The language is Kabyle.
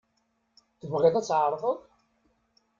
Tebɣiḍ ad tεerḍeḍ?